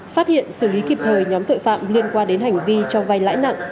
phát hiện xử lý kịp thời nhóm tội phạm liên quan đến hành vi cho vay lãi nặng